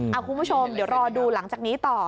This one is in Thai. คุณผู้ชมเดี๋ยวรอดูหลังจากนี้ต่อ